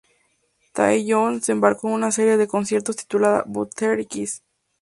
Taeyeon se embarcó en una serie de conciertos titulada "Butterfly Kiss".